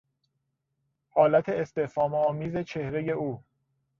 حالت استفهام آمیز چهرهی او